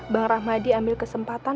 bang rahmadi ambil kesempatan